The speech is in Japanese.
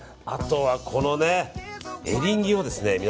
あとは、このエリンギをね